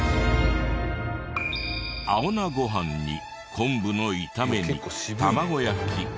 青菜ご飯に昆布の炒め煮たまご焼き。